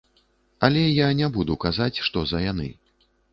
Але я не буду казаць, што за яны.